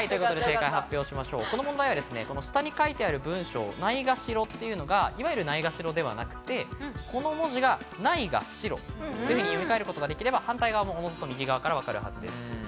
この問題は下に書いてある文章、ないがしろっていうのが、いわゆる「ないがしろ」ではなく、この文字が「ないがしろ」と読み替えることができれば、おのずと右側からわかるはずです。